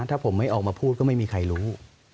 ถ้าผมไม่ออกมาพูดก็ไม่มีใครรู้